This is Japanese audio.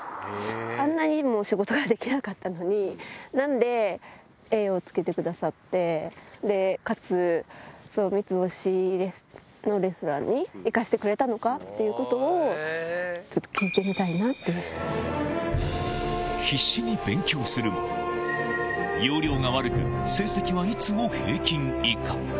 あんなにも仕事ができなかったのに、なんでＡをつけてくださって、かつ、三ツ星のレストランに行かせてくれたのかっていうことを、ちょっ必死に勉強するも、要領が悪く、成績はいつも平均以下。